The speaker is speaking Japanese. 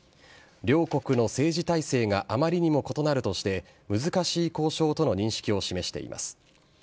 両国の政治体制があまりにも異なるとして、難しい交渉との認識を示しています。